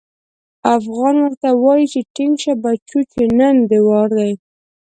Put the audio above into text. افغان ورته وايي چې ټينګ شه بچو چې نن دې وار دی.